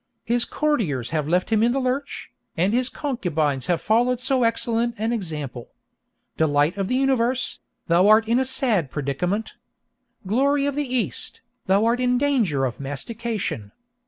His courtiers have left him in the lurch, and his concubines have followed so excellent an example. 'Delight of the Universe,' thou art in a sad predicament! 'Glory of the East,' thou art in danger of mastication!